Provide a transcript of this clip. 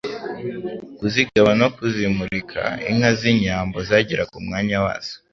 kuzigaba no kuzimurika. Inka z'inyambo zagiraga umwanya wazo